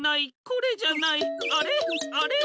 これじゃないあれ？